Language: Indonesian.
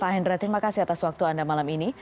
pak hendra terima kasih atas waktu anda malam ini